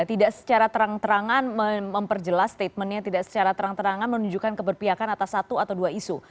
tidak secara terang terangan memperjelas statementnya tidak secara terang terangan menunjukkan keberpihakan atas satu atau dua isu